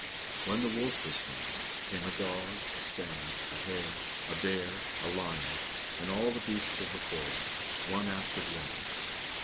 When the wolf was gone, came a dog, a stag, a hare, a bear, a lion, and all the beasts of the forest, one after the other.